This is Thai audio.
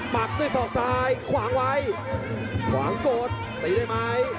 ปักด้วยศอกซ้ายขวางไว้ขวางกดตีได้ไหม